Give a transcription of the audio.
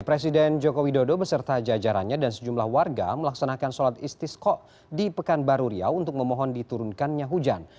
presiden joko widodo beserta jajarannya dan sejumlah warga melaksanakan sholat istiskok di pekanbaru riau untuk memohon diturunkannya hujan